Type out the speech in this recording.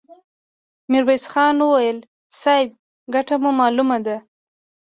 ميرويس خان وويل: صيب! ګټه مو مالومه ده!